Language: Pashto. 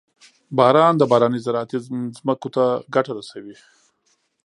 • باران د بارانۍ زراعتي ځمکو ته ګټه رسوي.